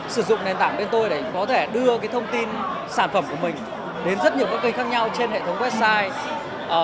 sử dụng nền tảng bên tôi để có thể đưa thông tin sản phẩm của mình đến rất nhiều các kênh khác nhau trên hệ thống website